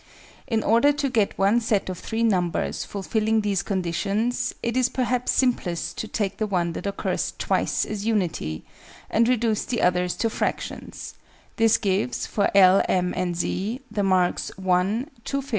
In order to get one set of 3 numbers fulfilling these conditions, it is perhaps simplest to take the one that occurs twice as unity, and reduce the others to fractions: this gives, for L, M, and Z, the marks 1, 2/5, 4/3.